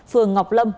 phường ngọc lâm